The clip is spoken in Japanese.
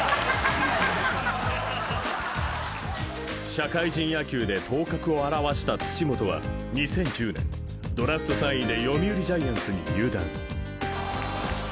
［社会人野球で頭角を現した土本は２０１０年ドラフト３位で読売ジャイアンツに入団］